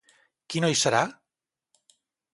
Qui no hi serà?